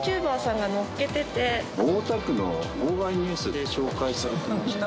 大田区の号外ニュースで紹介されてました。